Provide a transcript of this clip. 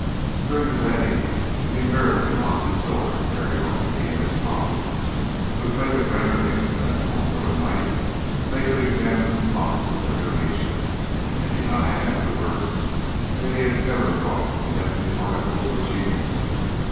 During the day he invariably locked his door and carried off the key in his pocket, but if they could render him insensible for the night they could examine his boxes at their leisure, and deny afterwards that he had ever brought with him the articles which he missed.